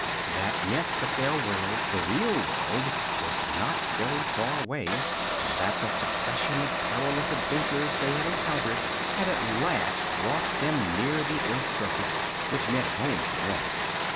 That meant that their world the real world was not very far away, and that the succession of perilous adventures they had encountered had at last brought them near the earth's surface, which meant home to them.